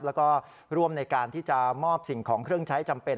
แล้วก็ร่วมในการที่จะมอบสิ่งของเครื่องใช้จำเป็น